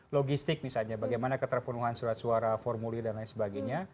logistik misalnya bagaimana keterpenuhan surat suara formulir dan lain sebagainya